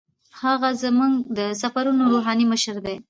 هغه زموږ د سفرونو روحاني مشر دی.